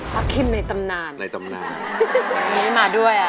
วิ่งในน่ามาด้วย